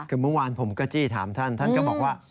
คือเมื่อวานผมก็จี้ถามท่านท่านก็บอกว่า